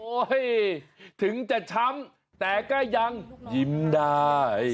ถึงจะช้ำแต่ก็ยังยิ้มได้